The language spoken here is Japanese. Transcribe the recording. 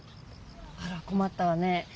あらこまったわね。